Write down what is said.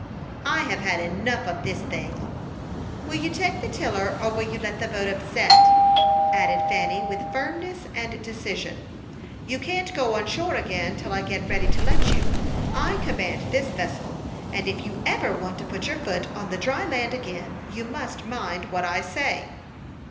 "I have had enough of this thing." "Will you take the tiller, or will you let the boat upset?" added Fanny, with firmness and decision. "You can't go on shore again till I get ready to let you. I command this vessel, and if you ever want to put your foot on the dry land again, you must mind what I say."